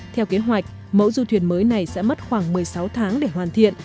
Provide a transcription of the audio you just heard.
theo kế hoạch mẫu du thuyền mới này sẽ mất khoảng một mươi sáu tháng để hoàn thiện